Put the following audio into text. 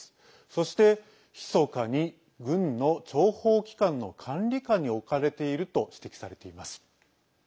そして、ひそかに軍の諜報機関の管理下に置かれていると指摘されています。